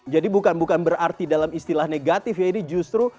jadi bukan bukan berarti dalam istilah negatif ya ini justru